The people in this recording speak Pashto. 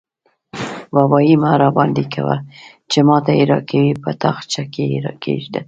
بابايي مه راباندې کوه؛ چې ما ته يې راکوې - په تاخچه کې يې کېږده.